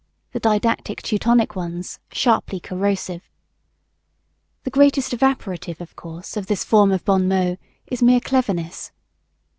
The didactic Teutonic ones, sharply corrosive. The greatest evaporative of course of this form of bon mot is mere cleverness.